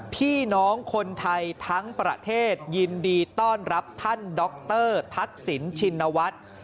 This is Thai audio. พี่น้องคนไทยทั้งประเทศยินดีต้อนรับท่านดรทักษิณชินวัฒน์